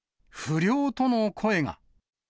不漁との声が。